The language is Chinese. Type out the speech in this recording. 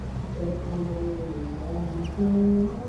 越南破布木为紫草科破布木属下的一个种。